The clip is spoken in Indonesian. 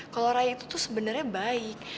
kalo rayang itu tuh sebenernya baik